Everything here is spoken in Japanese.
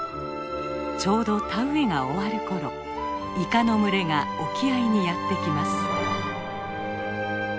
ちょうど田植えが終わる頃イカの群れが沖合にやってきます。